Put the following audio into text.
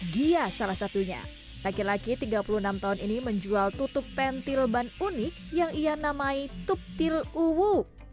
gia salah satunya laki laki tiga puluh enam tahun ini menjual tutup pentil ban unik yang ia namai tuptil uwu